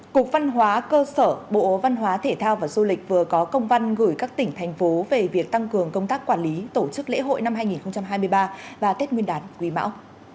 cục văn hóa cơ sở bộ văn hóa thể thao và du lịch vừa có công văn gửi các tỉnh thành phố về việc tăng cường công tác quản lý tổ chức lễ hội năm hai nghìn hai mươi ba và tết nguyên đán quý mão